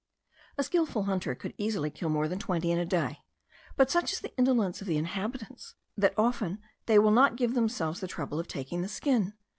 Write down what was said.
A skilful hunter could easily kill more than twenty in a day; but such is the indolence of the inhabitants, that often they will not give themselves the trouble of taking the skin.